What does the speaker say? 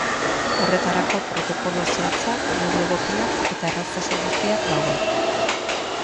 Horretarako protokolo zehatzak, modu egokiak eta erraztasun guztiak daude.